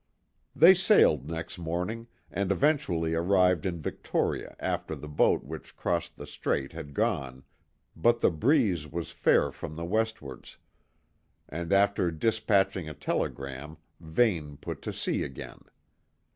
They sailed next morning and eventually arrived in Victoria after the boat which crossed the Strait had gone, but the breeze was fair from the westwards, and after dispatching a telegram Vane put to sea again.